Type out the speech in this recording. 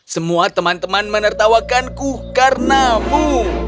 semua teman teman menertawakanku karena mu